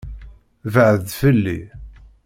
Beɛɛed fell-i!